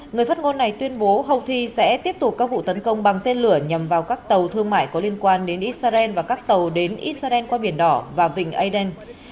người phát ngôn này tuyên bố houthi sẽ tiếp tục các vụ tấn công bằng tên lửa nhằm vào các tàu thương mại có liên quan đến israel và các tàu đến israel qua biển đỏ và vịnh aden